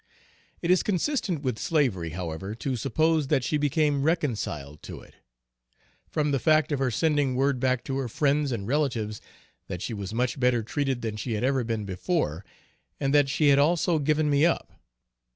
It is consistent with slavery, however, to suppose that she became reconciled to it, from the fact of her sending word back to her friends and relatives that she was much better treated than she had ever been before, and that she had also given me up.